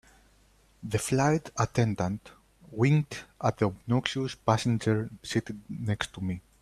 The flight attendant winked at the obnoxious passenger seated next to me.